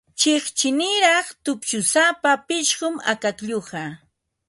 Chiqchiniraq tupshusapa pishqum akaklluqa.